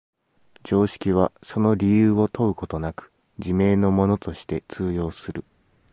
常識はその理由を問うことなく、自明のものとして通用する。